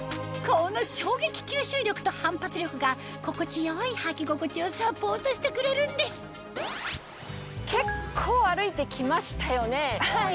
この衝撃吸収力と反発力が心地よい履き心地をサポートしてくれるんです結構歩いて来ましたよね。はい。